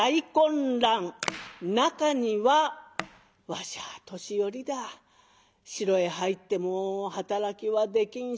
中には「わしゃ年寄りだ。城へ入っても働きはできん。